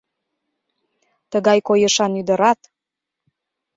Тыгай койышан ӱдырат